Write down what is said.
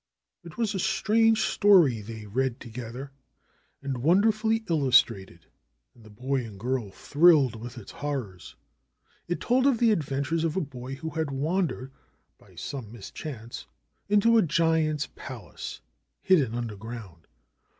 It was a strange story they read together and wonder fully illustrated, and the boy and girl thrilled with its horrors. It told of the adventures of a boy who had wandered, by some mischance, into a giant's palace, hidden underground.